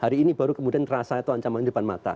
hari ini baru kemudian rasanya itu ancaman depan mata